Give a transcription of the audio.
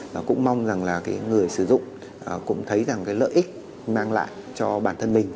và cũng mong rằng là cái người sử dụng cũng thấy rằng cái lợi ích mang lại cho bản thân mình